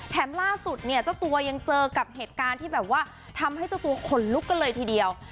ล่าสุดเนี่ยเจ้าตัวยังเจอกับเหตุการณ์ที่แบบว่าทำให้เจ้าตัวขนลุกกันเลยทีเดียว